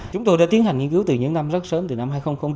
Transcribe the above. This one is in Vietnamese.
chúng tôi đã tiến hành nghiên cứu từ những năm rất sớm từ năm hai nghìn bốn